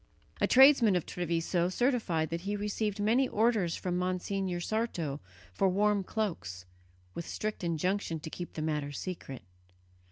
A tradesman of Treviso certified that he received many orders from Monsignor Sarto for warm cloaks, with strict injunction to keep the matter secret.